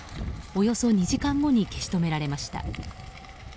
およそ２時間後に消し止められました。